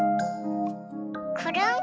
くるん。